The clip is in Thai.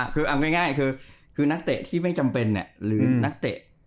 คือเอาง่ายคือนักเตะที่ไม่จำเป็นหรือนักเตะ